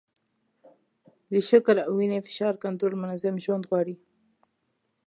د شکر او وینې فشار کنټرول منظم ژوند غواړي.